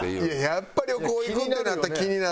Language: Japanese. やっぱ旅行行くってなったら気になる。